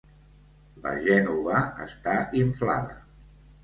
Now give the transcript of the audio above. La gènova està inflada.